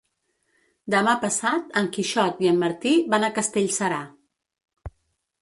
Demà passat en Quixot i en Martí van a Castellserà.